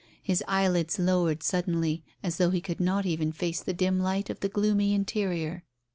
His eyelids lowered suddenly, as though he could not even face the dim light of that gloomy interior.